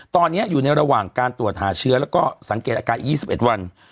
ตอนนี้อยู่ในระหว่างการตรวจหาเชื้อแล้วก็สังเกตอาการอีก๒๑วัน